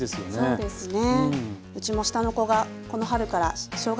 そうですね。